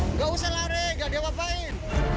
nggak usah lari nggak diapa apain